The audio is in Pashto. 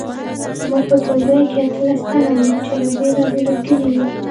موږ په ټولګي کې اتلس تنه وو چې له بیلابیلو کلیو وو